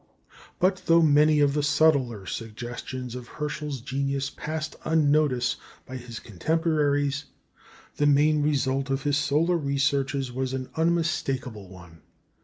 But though many of the subtler suggestions of Herschel's genius passed unnoticed by his contemporaries, the main result of his solar researches was an unmistakable one.